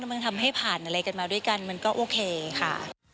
มันทำให้ผ่านอะไรกันมาด้วยกันมันก็โอเคค่ะ